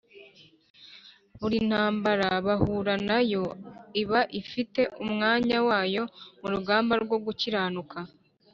buri ntambara bahura na yo iba ifite umwanya wayo mu rugamba rwo gukiranuka,